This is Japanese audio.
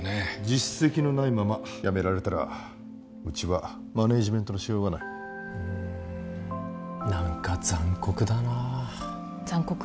実績のないままやめられたらうちはマネージメントのしようがないうん何か残酷だな残酷？